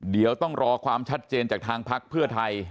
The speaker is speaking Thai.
เดี๋ยวต้องรอความชัดเจนจากทางพักเพื่อไทย